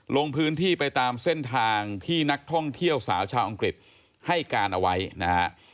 ลงพื้นที่ไปตามเส้นทางที่นักท่องเที่ยวสาวชาวอังกฤษให้การเอาไว้นะฮะ